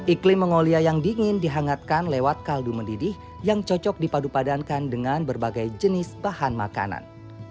iklim mongolia yang dingin dihangatkan lewat kaldu mendidih yang cocok dipadu padankan dengan berbagai jenis bahan makanan